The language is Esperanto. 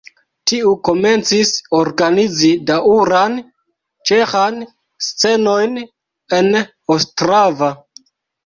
Tiu komencis organizi daŭran ĉeĥan scenejon en Ostrava.